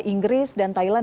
inggris dan thailand